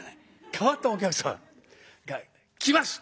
変わったお客様が来ます。